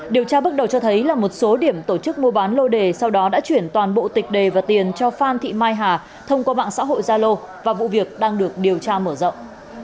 điều tra bước đầu cho thấy là một số điểm tổ chức mua bán lô đề sau đó đã chuyển toàn bộ tịch đề và tiền cho phan thị mai hà thông qua mạng xã hội gia lô và vụ việc đang được điều tra mở rộng